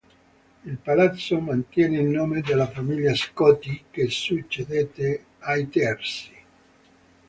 Il palazzo mantiene il nome della famiglia Scotti, che succedette ai Terzi.